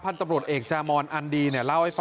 ส่งมาขอความช่วยเหลือจากเพื่อนครับ